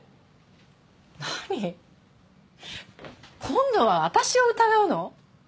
今度は私を疑うの？